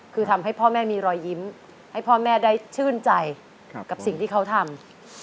คือทำให้พ่อแม่มีรอยยิ้มให้พ่อแม่ได้ชื่นใจกับสิ่งที่เขาทำ